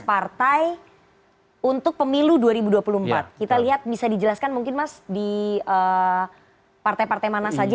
partai untuk pemilu dua ribu dua puluh empat kita lihat bisa dijelaskan mungkin mas di partai partai mana saja